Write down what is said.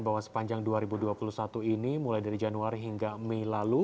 bahwa sepanjang dua ribu dua puluh satu ini mulai dari januari hingga mei lalu